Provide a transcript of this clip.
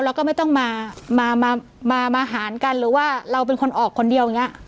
เราก็ไม่ต้องมามาหารกันหรือว่าเราเป็นคนออกคนเดียวอย่างนี้